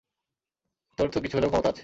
তোর তো কিছু হলেও ক্ষমতা আছে।